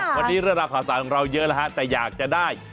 วันนี้นะคะสั่งเราเยอะแล้วฮะแต่อยากจะได้